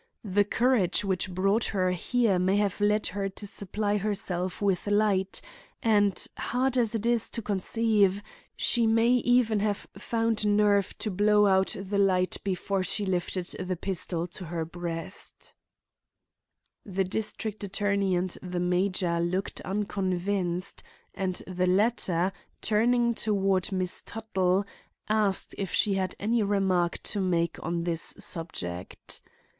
"The courage which brought her here may have led her to supply herself with light; and, hard as it is to conceive, she may even have found nerve to blow out the light before she lifted the pistol to her breast:" The district attorney and the major looked unconvinced, and the latter, turning toward Miss Tuttle, asked if she had any remark to make on the subject.